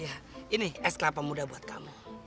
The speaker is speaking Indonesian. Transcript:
iya ini es kelapa muda buat kamu